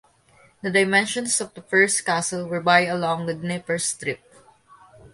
The dimensions of the first castle were by along the Dnieper strip.